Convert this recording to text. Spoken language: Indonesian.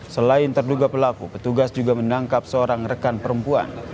selain terduga pelaku petugas juga menangkap seorang rekan perempuan